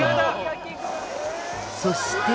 そして。